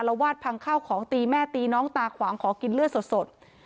วาดพังข้าวของตีแม่ตีน้องตาขวางขอกินเลือดสด